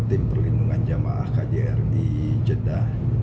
tim perlindungan jum ah kjri jeddah